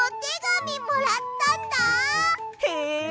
へえ！